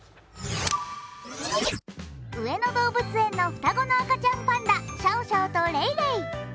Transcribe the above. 上野動物園の双子の赤ちゃんパンダシャオシャオとレイレイ。